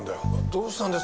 どうしたんです？